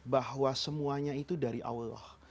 bahwa semuanya itu dari allah